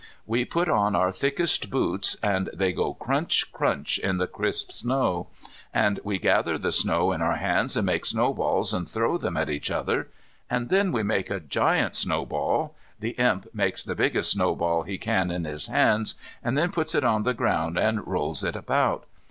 We put on our thickest boots, and they go crunch, crunch in the crisp snow. And we gather the snow in our hands and make snowballs and throw them at each other. And then we make a giant snowball, The Imp makes the biggest snowball he can in his hands and then puts it on the ground and rolls it about.